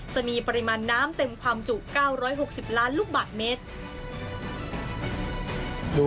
จะมีปริมาณน้ำเต็มความจุ๙๖๐ล้านลูกบาทเมตร